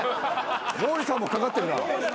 毛利さんもかかってるな。